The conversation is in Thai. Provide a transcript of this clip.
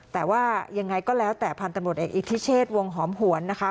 แต่ว่ายังไงก็แล้วแต่พันธุ์ตำรวจเอกอิทธิเชษวงหอมหวนนะคะ